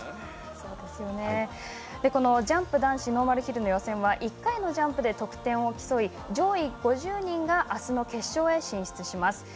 ジャンプ男子のノーマルヒルの予選は１回のジャンプで得点を競い上位５０人があすの決勝へ進出します。